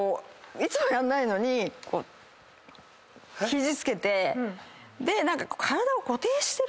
いつもやんないのに肘つけて何か。